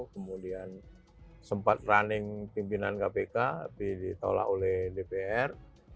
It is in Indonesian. kemudian sempat running pimpinan kpk tapi ditolak oleh dpr